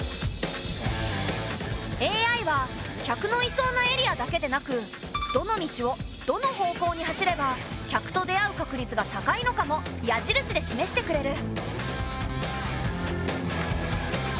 ＡＩは客のいそうなエリアだけでなくどの道をどの方向に走れば客と出会う確率が高いのかも矢印で示してくれる。